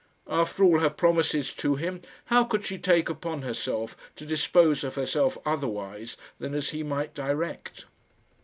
After all her promises to him, how could she take upon herself to dispose of herself otherwise than as he might direct?